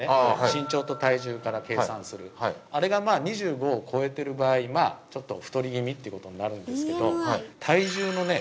身長と体重から計算するあれが２５を超えてる場合まあちょっと太り気味ってことになるんですけど体重のね